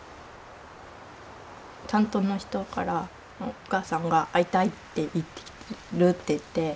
担当の人からお母さんが会いたいって言ってきてるっていって。